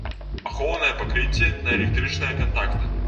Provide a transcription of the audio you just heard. Ахоўныя пакрыцці на электрычныя кантакты.